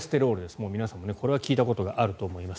もう皆さんもこれは聞いたことがあると思います。